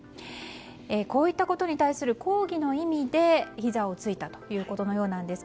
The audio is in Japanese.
こういったことに対する抗議の意味でひざをついたということのようです。